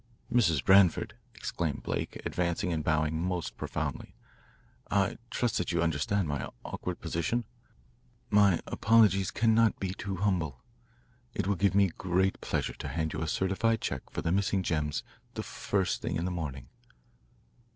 "Mrs. Branford," exclaimed Blake, advancing and bowing most profoundly, "I trust that you understand my awkward position? My apologies cannot be too humble. It will give me great pleasure to hand you a certified check for the missing gems the first thing in the morning."